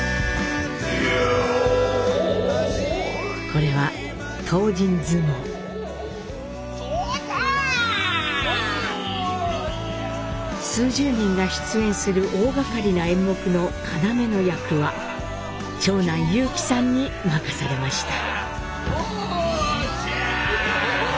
これは数十人が出演する大がかりな演目の要の役は長男裕基さんに任されました。